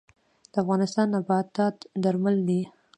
د افغانستان نباتات درمل دي